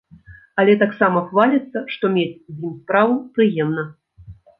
Але таксама хваліцца, што мець з ім справу прыемна.